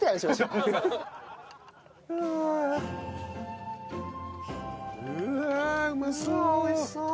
うわ美味しそう。